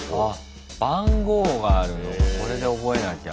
番号があるのかこれで覚えなきゃ。